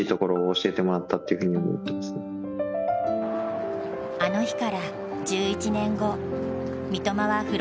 あの日から１１年後三笘はフロンターレに入団。